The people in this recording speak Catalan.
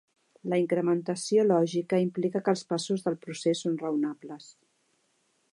La incrementació lògica implica que els passos del procés són raonables.